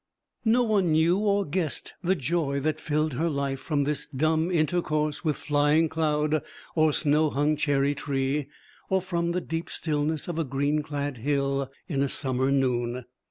No one knew or guessed the joy that filled her life from this dumb intercourse with flying cloud or snow hung cherry tree, or from the deep stillness of a green clad hill in a summer noon.